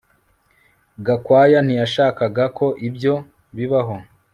Gakwaya ntiyashakaga ko ibyo bibaho